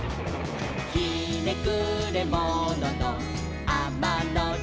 「ひねくれもののあまのじゃく」